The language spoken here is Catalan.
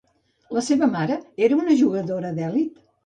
La seva mare era una jugadora d'elit?